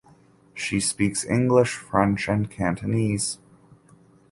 She speaks English, French, and Cantonese.